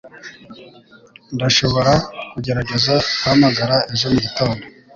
Ndashobora kugerageza guhamagara ejo mugitondo.